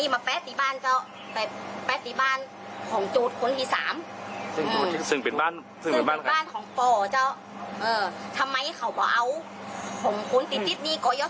มาแปะที่บ้านของไน้พ่อขอถ่ายเอาตัวนี้มาแปะที่บ้าน